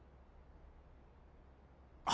あ。